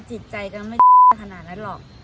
จิตใจก็ไม่ได้ขนาดนั้นหรอก